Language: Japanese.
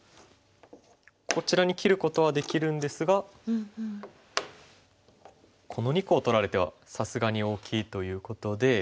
こちらに切ることはできるんですがこの２個を取られてはさすがに大きいということで。